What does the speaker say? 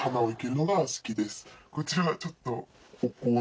こちらはちょっと。